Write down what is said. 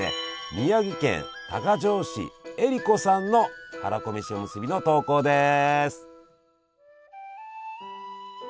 宮城県多賀城市えりこさんのはらこめしおむすびの投稿です。